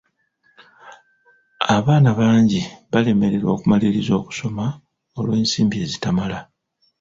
Abaana bangi balemererwa okumaliriza okusoma olw'ensimbi ezitamala.